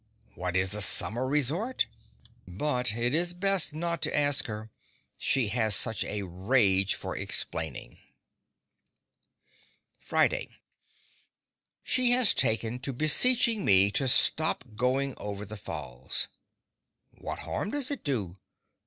What is a summer resort? But it is best not to ask her, she has such a rage for explaining. Friday She has taken to beseeching me to stop going over the Falls. What harm does it do?